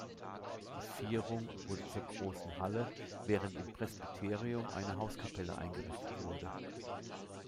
Die Vierung wurde zur Großen Halle, während im Presbyterium eine Hauskapelle eingerichtet wurde.